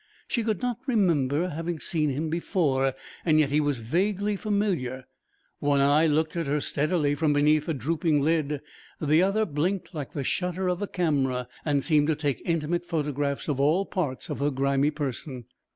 She could not remember having seen him before, and yet he was vaguely familiar. One eye looked at her steadily from beneath a drooping lid, the other blinked like the shutter of a camera and seemed to take intimate photographs of all parts of her grimy person.